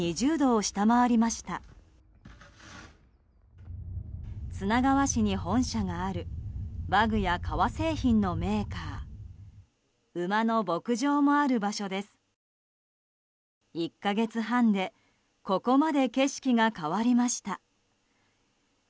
１か月半でここまで景色が変わりました。